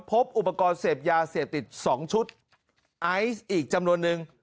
พบอุปกรณ์เสพยาเสพติด๒ชุดไอซ์อีกจำนวนนึง